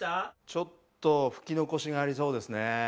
ちょっと拭き残しがありそうですね。